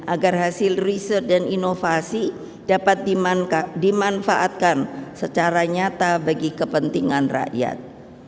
agar hasil riset dan inovasi dapat dimanfaatkan secara nyata bagi kepentingan rakyat